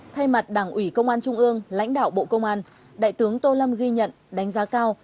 thay mặt đảng ủy công an trung ương lãnh đạo bộ công an đại tướng tô lâm ghi nhận đánh giá cao